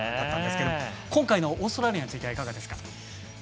今回のオーストラリアについてはいかがですか？